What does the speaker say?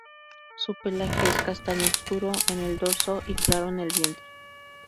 Su pelaje es castaño obscuro en el dorso y claro en el vientre.